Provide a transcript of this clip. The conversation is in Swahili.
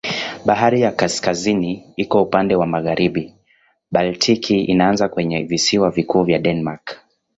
Bahari ya Kaskazini iko upande wa magharibi, Baltiki inaanza kwenye visiwa vikuu vya Denmark.